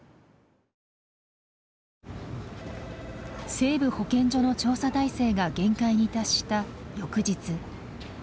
西部保健所の調査体制が限界に達した翌日。